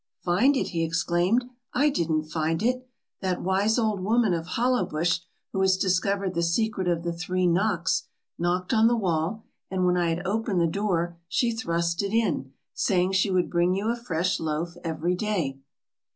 "Find it!" he exclaimed. "I didn't find it. That wise old woman of Hollowbush, who has discovered the secret of the three knocks, knocked on the wall, and when I had opened the door, she thrust it in, saying she would bring you a fresh loaf every day."